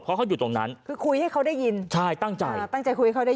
เพราะเขาอยู่ตรงนั้นคือคุยให้เขาได้ยินใช่ตั้งใจอ่าตั้งใจคุยให้เขาได้